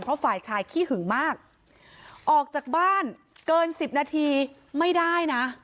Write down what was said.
เพราะฝ่ายชายขี้หึงมากออกจากบ้านเกินสิบนาทีไม่ได้นะ